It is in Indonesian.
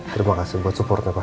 terima kasih buat supportnya pak